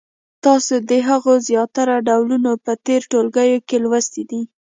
تاسو د هغو زیاتره ډولونه په تېرو ټولګیو کې لوستي دي.